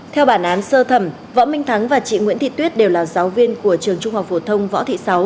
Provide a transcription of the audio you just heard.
theo bản án sơ thẩm võ minh thắng và chị nguyễn thị tuyết đều là giáo viên của trường trung học phổ thông võ thị sáu